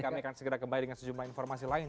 kami akan segera kembali dengan sejumlah informasi lain